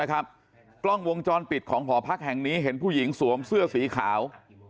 กล้องวงจรปิดของหอพักแห่งนี้เห็นผู้หญิงสวมเสื้อสีขาว